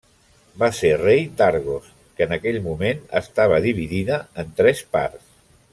Va ser rei d'Argos, que en aquell moment estava dividida en tres parts.